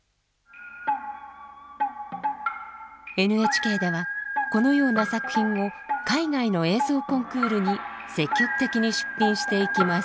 ＮＨＫではこのような作品を海外の映像コンクールに積極的に出品していきます。